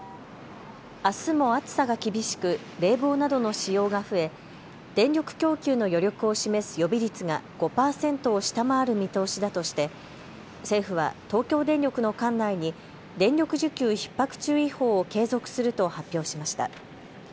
あすも暑さが厳しく冷房などの使用が増え電力供給の余力を示す予備率が５％を下回る見通しだとして政府は東京電力の管内に電力需給ひっ迫注意報を継続すると発表しました。